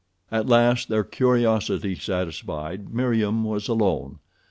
At last, their curiosity satisfied, Meriem was alone.